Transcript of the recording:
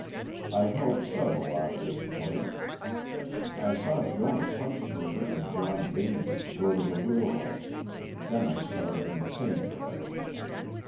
I helped several out of this place. I saw Jonas Huntsberger and John Baney go to the wheel house, then I started in the same direc tion.